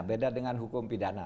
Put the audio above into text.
beda dengan hukum pidana